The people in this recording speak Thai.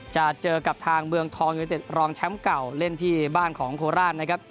จะเจอกับทางเมืองทองยูนิเต็ดรองแชมป์เก่าเล่นที่บ้านของโคราชนะครับ